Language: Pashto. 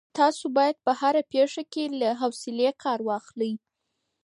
تاسو باید په هره پېښه کي له حوصلې کار واخلئ.